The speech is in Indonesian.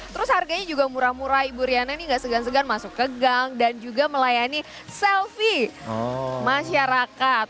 terus harganya juga murah murah ibu riana ini gak segan segan masuk ke gang dan juga melayani selfie masyarakat